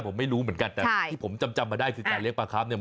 ผมไม่รู้เหมือนกันแต่ที่ผมจำมาได้คือการเลี้ยปลาครับเนี่ย